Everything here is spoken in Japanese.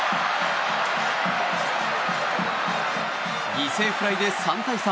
犠牲フライで３対３。